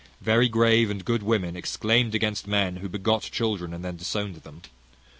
Very grave and good women exclaimed against men who begot children, and then disowned them.